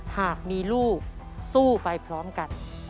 หากมีลูกสู้ไปพร้อมกัน